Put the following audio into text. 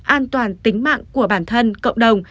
an toàn tính mạng của bản thân cộng đồng